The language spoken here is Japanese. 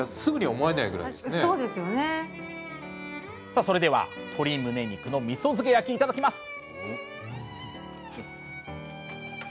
さあそれでは「鶏むね肉のみそ漬け焼き」いただきます！